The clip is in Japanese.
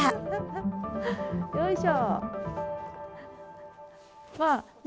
よいしょ。